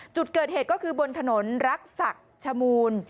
จุดเกิดเหตุก็คือบนถนนรักษักชมูล